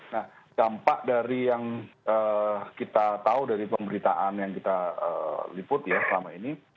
nah dampak dari yang kita tahu dari pemberitaan yang kita liput ya selama ini